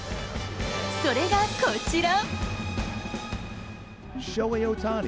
それがこちら。